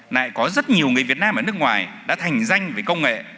nãy có rất nhiều người việt nam ở nước ngoài đã thành danh với công nghệ